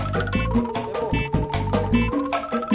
se campur tukeng